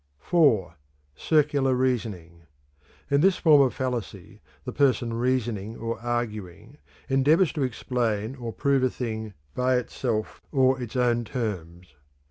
IV. Circular Reasoning. In this form of fallacy the person reasoning or arguing endeavors to explain or prove a thing by itself or its own terms.